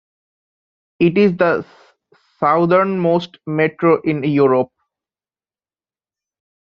It is the southernmost metro in Europe.